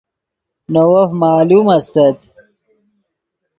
نے وف معلوم استت